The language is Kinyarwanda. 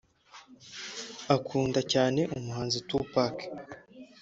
Akunda cyane umuhanzi Tupac